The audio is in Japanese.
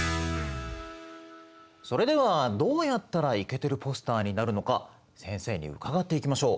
それではどうやったらイケてるポスターになるのか先生に伺っていきましょう。